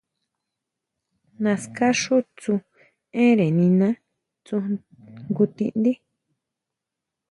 Naská xu tsú énnre niná tsú jngu ti ndí.